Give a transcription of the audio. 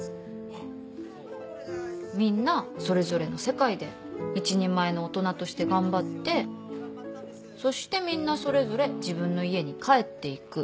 みんなそれぞれの世界で一人前の大人として頑張ってそしてみんなそれぞれ自分の家に帰っていく。